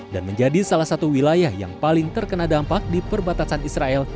dan menjadi salah satu wilayah yang paling terkena dampak di perbatasan israel